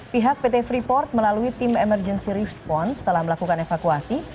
pihak pt freeport melalui tim emergency response telah melakukan evakuasi